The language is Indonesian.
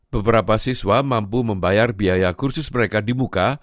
beberapa siswa mampu membayar biaya kursus mereka di muka